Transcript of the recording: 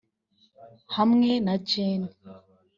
hamwe na Gen